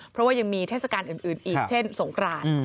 เพราะว่ายังมีเทศกาลอื่นอีกเช่นสงคราน